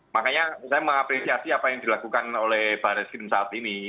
makanya saya mengapresiasi apa yang dilakukan oleh baris krim saat ini